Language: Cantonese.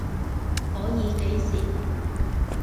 可以，幾時？